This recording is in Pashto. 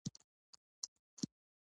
څوک مو مېلمانه دي؟